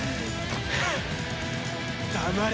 黙れ！